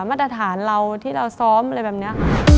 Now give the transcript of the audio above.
มาตรฐานเราที่เราซ้อมอะไรแบบนี้